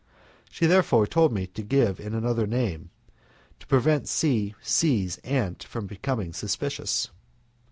She therefore told me to give in another name, to prevent C C 's aunt from becoming suspicious.